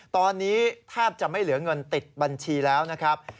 ตอนนี้แทบจะไม่เหลือเงินติดบัญชีแล้วนะครับ